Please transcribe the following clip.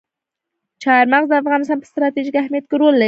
چار مغز د افغانستان په ستراتیژیک اهمیت کې رول لري.